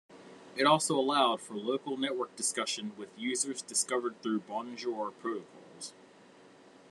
It also allowed for local network discussion with users discovered through Bonjour protocols.